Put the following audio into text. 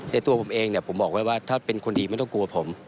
ในตัวผมเองผมบอกว่าว่าถ้าเป็นคนดีไม่ต้องกลัวผม